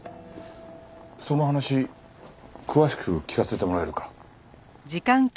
その話詳しく聞かせてもらえるか？